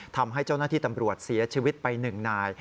ทำให้เจ้าหน้าที่ตำรวจเสียชีวิตไป๑นาย